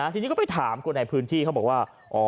ทีนี้ก็ไปถามคนในพื้นที่เขาบอกว่า